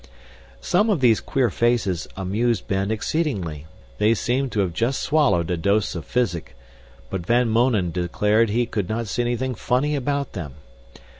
Some of these queer faces amused Ben exceedingly; they seemed to have just swallowed a dose of physic, but Van Mounen declared he could not see anything funny about them.